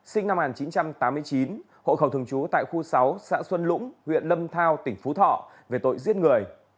sinh năm một nghìn chín trăm tám mươi chín hộ khẩu thường trú tại khu sáu xã xuân lũng huyện lâm thao tỉnh phú thọ về tội giết người